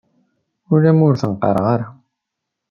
Ulamma ur ten-qqaren ara.